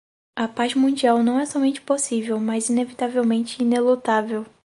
A paz mundial não é somente possível, mas inevitavelmente inelutável.